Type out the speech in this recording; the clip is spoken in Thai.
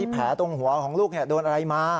แผลตรงหัวของลูกโดนอะไรมา